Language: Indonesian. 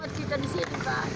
selamat kita di sini pak